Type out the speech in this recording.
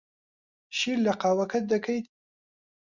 شیر لە قاوەکەت دەکەیت؟